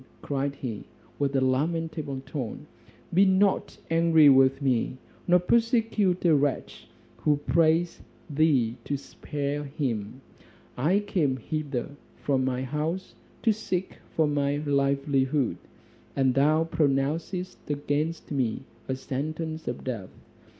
cried he, with a lamentable tone, "be not angry with me, nor persecute a wretch who prays thee to spare him. I came hither from my house to seek for my livelihood, and thou pronouncest against me a sentence of death.